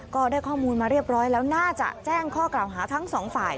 ก็ได้ข้อมูลมาเรียบร้อยแล้วน่าจะแจ้งข้อกล่าวหาทั้งสองฝ่าย